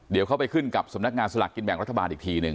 เดี๋ยวเขาไปขึ้นกับสำนักงานสลากกินแบ่งรัฐบาลอีกทีหนึ่ง